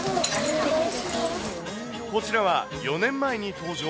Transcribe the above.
こちらは４年前に登場。